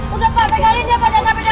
udah pak pegalin dia pada sampingnya